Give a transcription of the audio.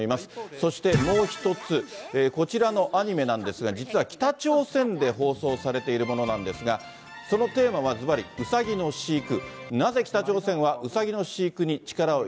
そしてもう一つ、こちらのアニメなんですが、実は北朝鮮で放送されているものなんですが、そのテーマは、ずばり、うさぎの飼育。